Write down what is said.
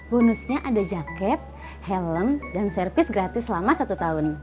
bonusnya ada jaket helm dan servis gratis selama satu tahun